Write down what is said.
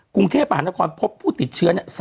กรุงเทพฯอาหารกรพบผู้ติดเชื้อ๓๗คน